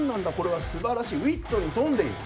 「すばらしい」「ウイットに富んでいる」